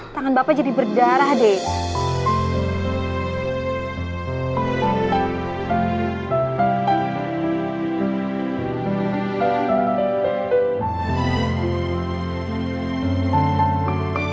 tangan bapak jadi berdarah deh